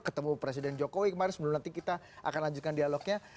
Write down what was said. ketemu presiden jokowi kemarin sebelum nanti kita akan lanjutkan dialognya